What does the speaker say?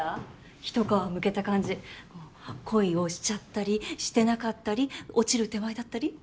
一皮むけた感じ恋をしちゃったりしてなかったり落ちる手前だったり？